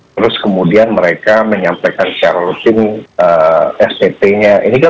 terus kemudian mereka menyampaikan secara rutin sptnya